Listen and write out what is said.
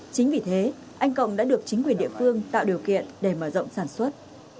chính vì thế anh cộng đã được chính quyền địa phương tạo điều kiện để mở rộng sản xuất